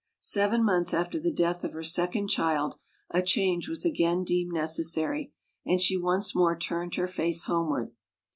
Seven months after the death of her second child a change was again deemed necessary, and she once more turned her face homeward.